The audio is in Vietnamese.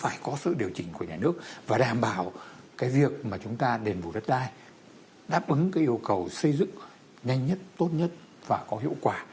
phải có sự điều chỉnh của nhà nước và đảm bảo cái việc mà chúng ta đền bù đất đai đáp ứng cái yêu cầu xây dựng nhanh nhất tốt nhất và có hiệu quả